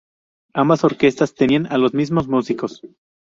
Ambas orquestas tenían a los mismos músicos.